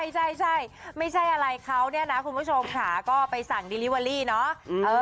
ใช่ไม่ใช่อะไรเขาเนี่ยนะคุณผู้ชมค่ะก็ไปสั่งดิลิเวอรี่เนาะ